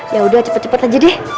yaudah cepet cepet aja deh